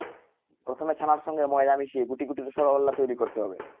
প্রথমে ছানার সঙ্গে ময়দা মিশিয়ে গুটি গুটি রসগোল্লা তৈরি করতে হবে।